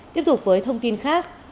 tiếp tục với thông tin khác